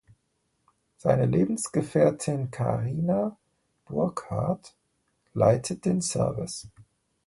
Seine Lebensgefährtin Carina Burkhardt leitet den Service.